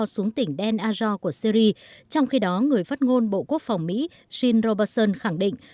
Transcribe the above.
xuống tỉnh den azo của syri trong khi đó người phát ngôn bộ quốc phòng mỹ jean robertson khẳng định